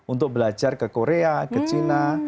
untuk belajar ke korea ke china